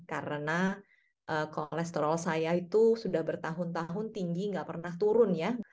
karena kolesterol saya itu sudah bertahun tahun tinggi nggak pernah turun ya